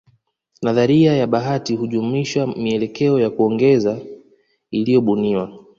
Nadharia ya bahati hujumuishwa mielekeo ya kuongeza yaliyobuniwa